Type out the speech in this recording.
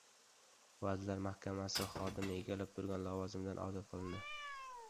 Vazirlar Mahkamasi xodimi egallab turgan lavozimidan ozod qilindi